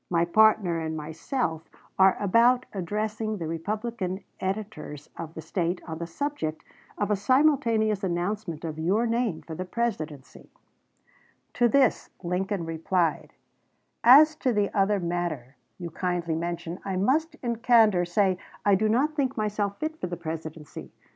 My partner and myself are about addressing the Republican editors of the State on the subject of a simultaneous announcement of your name for the Presidency." Lincoln to Pickett, April 16, 1859. MS. To this Lincoln replied: "As to the other matter you kindly mention, I must in candor say I do not think myself fit for the Presidency.